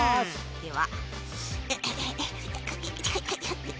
では。